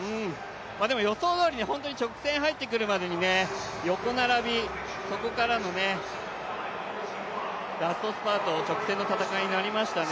予想どおりに、本当に直線入ってくるまでに横並び、そこからのラストスパート、直線の戦いになりましたね。